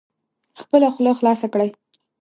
خپله خوله خلاصه کړئ